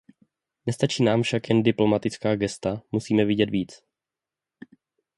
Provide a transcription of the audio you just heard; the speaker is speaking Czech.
Nestačí nám však jen diplomatická gesta, musíme vidět víc.